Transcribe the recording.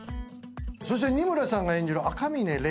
そして仁村さんが演じる赤嶺麗奈。